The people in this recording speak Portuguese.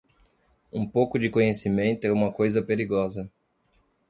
Um pouco de conhecimento é uma coisa perigosa.